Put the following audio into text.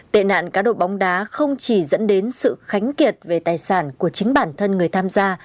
tệ nạn cá độ bóng đá không chỉ dẫn đến sự khánh kiệt về tài sản của chính bản thân người tham gia